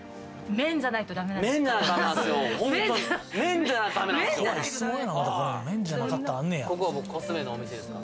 麺じゃないとダメなんですか？